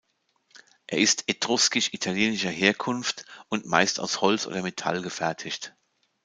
Er ist etruskisch-italischer Herkunft und meist aus Holz oder Metall gefertigt.